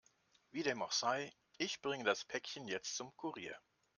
Wie dem auch sei, ich bringe das Päckchen jetzt zum Kurier.